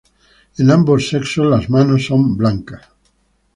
En ambos sexos las manos son blancas.